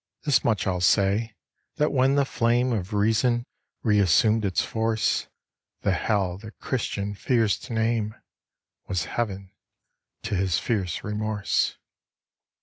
This much I'll say, that when the flame Of reason reassumed its force, The hell the Christian fears to name, Was heaven to his fierce remorse.